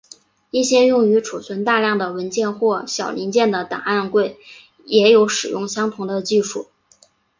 一些用于储存大量的文件或小零件的档案柜也有使用相同的技术。